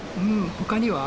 他には？